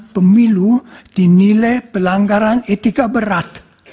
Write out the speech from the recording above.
pemilu dinilai pelanggaran etika berat